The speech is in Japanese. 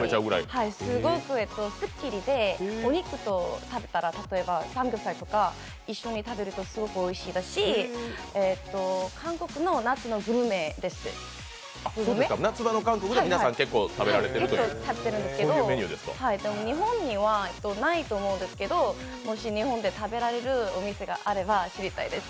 すごくすっきりで、お肉とだったら例えば、サムギョプサルとか一緒に食べるとすごくおいしいし、夏場の韓国では皆さん結構食べられてるメニューですか日本にはないと思うんですけどもし日本で食べられるお店があれば知りたいです。